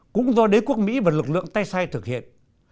cũng do đế quốc mỹ và lực lượng tây sai thực hiện